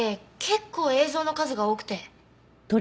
結構映像の数が多くて。